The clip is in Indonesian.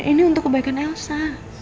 ini untuk kebaikan elsa